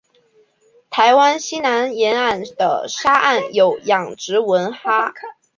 台湾西南沿海的沙岸有养殖文蛤。